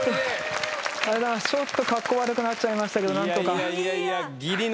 ちょっとかっこ悪くなっちゃいましたけどなんとか。